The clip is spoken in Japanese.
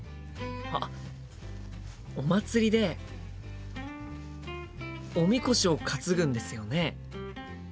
あっお祭りでおみこしを担ぐんですよね？